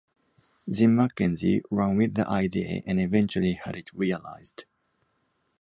Jim McKenzie ran with the idea and eventually had it realised.